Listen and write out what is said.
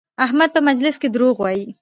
احمد په مجلس کې دروغ وایي؛